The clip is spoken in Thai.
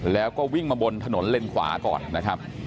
แล้วก็วิ่งมาบนถนนเลนขวาก่อนนะครับ